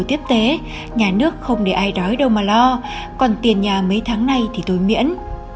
tiếp tế nhà nước không để ai đói đâu mà lo còn tiền nhà mấy tháng nay thì tôi miễn